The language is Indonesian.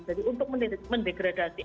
jadi untuk mendegradasi